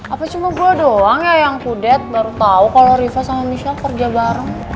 apa cuma gua doang ya yang kudet baru tau kalo rifa sama michelle kerja bareng